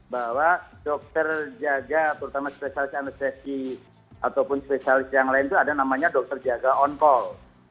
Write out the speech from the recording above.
bahwa dokter jaga terutama spesialis anestesi ataupun spesialis yang lain itu ada namanya dokter jaga on call